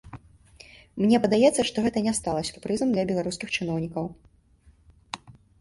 Мне падаецца, што гэта не стала сюрпрызам для беларускіх чыноўнікам.